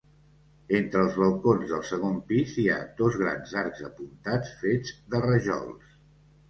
Entre els balcons del segon pis hi ha dos grans arcs apuntats fets de rajols.